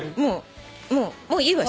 もういいわ。